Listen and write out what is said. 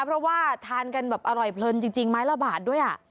เพราะว่าทานกันแบบอร่อยเพลินจริงไม้ละบาทด้วย